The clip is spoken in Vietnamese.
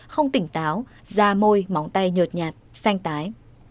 không tỉnh táo da môi móng tay nhợt nhạt xanh tái